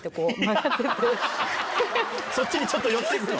そっちにちょっと寄って行くの？